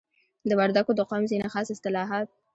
د وردګو د قوم ځینی خاص اصتلاحات